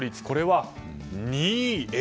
これは２位。